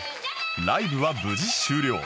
ライブは無事終了